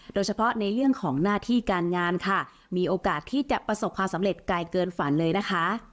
โดยเฉพาะในเรื่องของหน้าที่การงานค่ะมีโอกาสที่จะประสบความสำเร็จไกลเกินฝันเลยนะคะ